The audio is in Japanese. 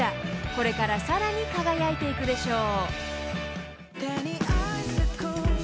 ［これからさらに輝いていくでしょう］